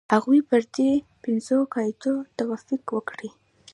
هغوی به پر دې پنځو قاعدو توافق وکړي.